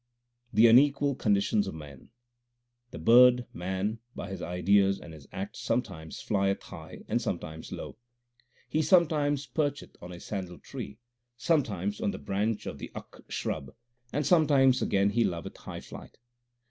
The unequal conditions of men : The bird, man, by his ideas and his acts sometimes flieth high and sometimes low, 1 He sometimes percheth on a sandal tree, sometimes on the branch of the akk shrub, and sometimes again he loveth high flight.